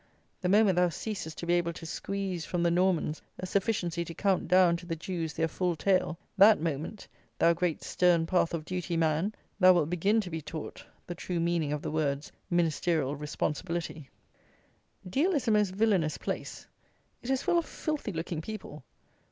The moment thou ceasest to be able to squeeze from the Normans a sufficiency to count down to the Jews their full tale, that moment, thou great stern path of duty man, thou wilt begin to be taught the true meaning of the words Ministerial Responsibility." Deal is a most villanous place. It is full of filthy looking people.